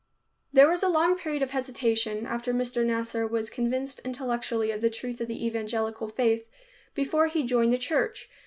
There was a long period of hesitation, after Mr. Nasser was convinced intellectually of the truth of the evangelical faith, before he joined the Church.